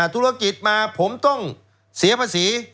ธุรกิจมาผมต้องเสียภาษี